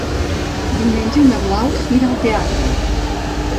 Diumenge na Blau irà al teatre.